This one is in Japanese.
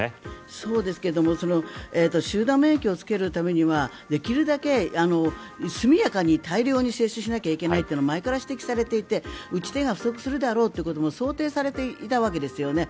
そうですけども集団免疫をつけるためにはできるだけ速やかに大量に接種しなきゃいけないって前から指摘されていて打ち手が不足するだろうというのが想定されていたわけですよね。